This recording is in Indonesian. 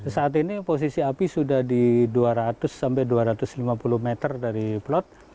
saat ini posisi api sudah di dua ratus sampai dua ratus lima puluh meter dari plot